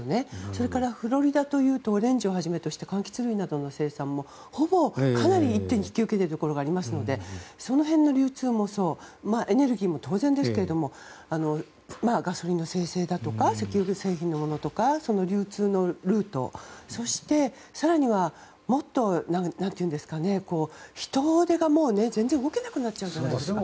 それからフロリダというとオレンジをはじめとした柑橘類の生産もほぼかなり一手に引き受けているところもありますのでその辺の流通もそうですしエネルギーも当然ですがガソリンの精製ですとか石油製品のものとか流通のルートそして、更にはもっと人手が全然動けなくなっちゃうんじゃないですか？